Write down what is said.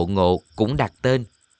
thấy dáng ngộ ngộ cũng đặt tên